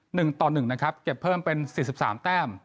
หนึ่งต่อหนึ่งนะครับเก็บเพิ่มเป็นสี่สิบสามแต้ม